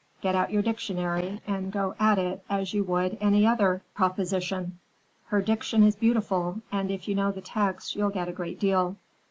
Get out your dictionary and go at it as you would at any other proposition. Her diction is beautiful, and if you know the text you'll get a great deal.